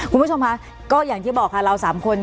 คุณผู้ชมค่ะก็อย่างที่บอกค่ะเรา๓คน